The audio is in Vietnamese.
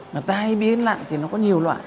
mà tai biến lặn thì nó có nhiều loại